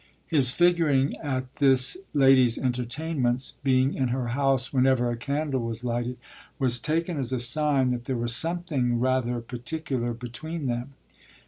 His figuring at this lady's entertainments, being in her house whenever a candle was lighted, was taken as a sign that there was something rather particular between them.